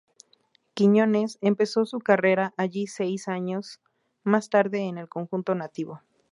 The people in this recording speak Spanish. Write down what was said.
Quiñones empezó su carrera allí seis años más tarde con el Conjunto Nativo.